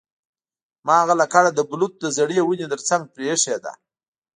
ما هغه لکړه د بلوط د زړې ونې ترڅنګ پریښې ده